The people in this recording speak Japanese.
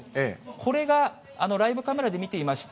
これがライブカメラで見ていました